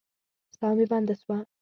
ساه مي بنده سوه.